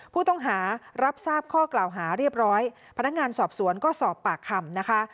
ผู้ต้องหารับทราบข้อกล่าวหาเรียบร้อยพนักงานสอบสวนก็สอบปากคำนะคะ